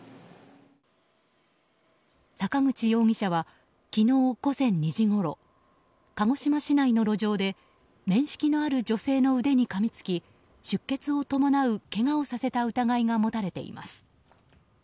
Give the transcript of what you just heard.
坂口容疑者は昨日午前２時ごろ鹿児島市内の路上で面識のある女性の腕にかみつき出血を伴う、けがをさせた疑いが持たれています。